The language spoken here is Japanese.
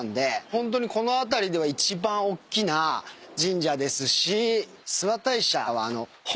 ホントにこの辺りでは一番おっきな神社ですし諏訪大社は。